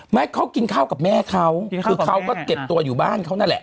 เขากินข้าวกับแม่เขาคือเขาก็เก็บตัวอยู่บ้านเขานั่นแหละ